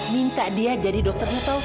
minta dia jadi dokternya taufan